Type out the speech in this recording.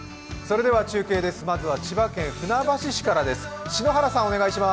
中継です、まずは千葉県船橋市からです。